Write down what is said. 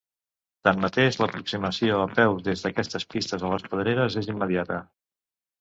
Tanmateix, l'aproximació a peu des d'aquestes pistes a les pedreres és immediata.